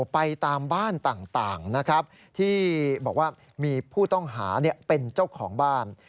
ไปตามบ้านต่างนะครับที่บอกว่ามีผู้ต้องหาเป็นเจ้าของบ้าน